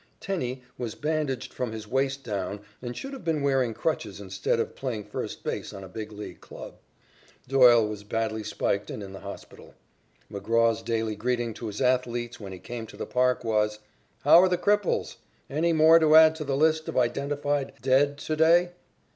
Tenney was bandaged from his waist down and should have been wearing crutches instead of playing first base on a Big League club. Doyle was badly spiked and in the hospital. McGraw's daily greeting to his athletes when he came to the park was: "How are the cripples? Any more to add to the list of identified dead to day?"